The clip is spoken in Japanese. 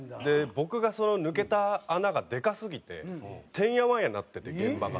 僕が抜けた穴がでかすぎててんやわんやになってて現場が。